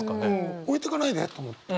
置いてかないでと思った。